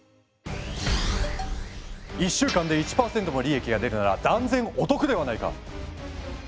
１週間で１％も利益が出るなら断然お得ではないか！